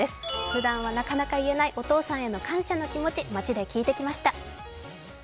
ふだんはなかなか言えないお父さんへの感謝の気持ち、街で聞いてきました。